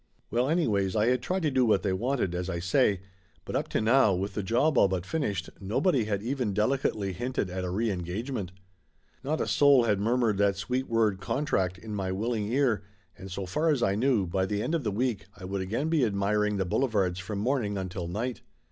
Well anyways, I had tried to do what they wanted, as I say. But up to now, with the job all but finished, nobody had even delicately hinted at a reengagement. Not a soul had murmured that sweet word "contract" in my willing ear, and so far as I knew, by the end of the week I would again be admiring the boulevards from morning until night.